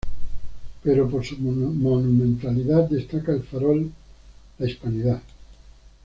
Pero por su monumentalidad destaca el farol "la Hispanidad".